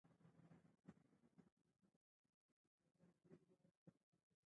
د حاجي لالي په باب تحقیق کېږي.